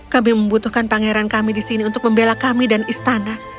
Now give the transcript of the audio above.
kami membutuhkan pangeran kami di sini untuk membela kami dan istana